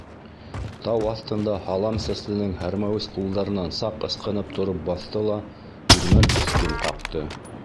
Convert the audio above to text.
Тау аҫтында һалам сәсленең һәрмәүес ҡулдарынан саҡ ысҡынып тороп баҫты ла Ирмәк өҫтөн ҡаҡты.